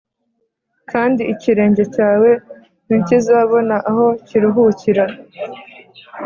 kandi ikirenge cyawe ntikizabona aho kiruhukira.